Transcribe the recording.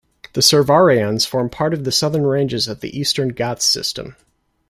The Servarayans form part of the southern ranges of the Eastern Ghats System.